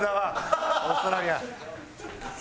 オーストラリア。